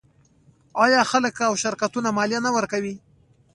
آیا خلک او شرکتونه مالیه نه ورکوي؟